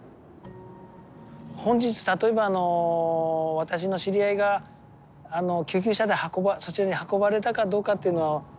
本日例えばあの私の知り合いが救急車でそちらに運ばれたかどうかっていうのは。